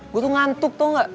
gue tuh ngantuk tau gak